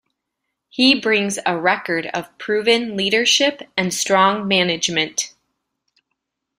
He brings a record of proven leadership and strong management.